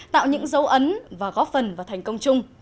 tạo những dấu ấn và góp phần vào thành công chung